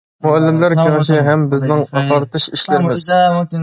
مۇئەللىملەر كېڭىشى ھەم بىزنىڭ ئاقارتىش ئىشلىرىمىز.